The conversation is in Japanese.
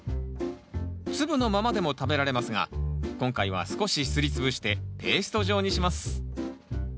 粒のままでも食べられますが今回は少しすり潰してペースト状にします